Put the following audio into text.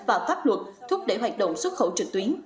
và pháp luật thúc đẩy hoạt động xuất khẩu trực tuyến